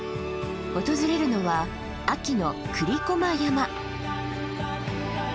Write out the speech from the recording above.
訪れるのは秋の栗駒山。